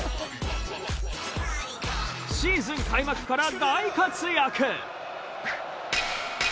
シーズン開幕から大活躍！